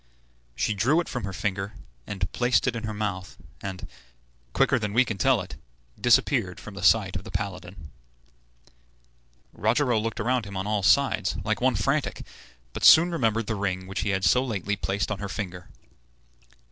She drew it from her finger and placed it in her mouth, and, quicker than we can tell it, disappeared from the sight of the paladin. Rogero looked around him on all sides, like one frantic, but soon remembered the ring which he had so lately placed on her finger.